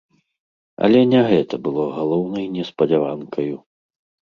Але не гэта было галоўнай неспадзяванкаю.